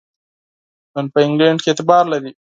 نن په انګلینډ کې اعتبار لري.